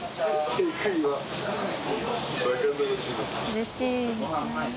うれしい。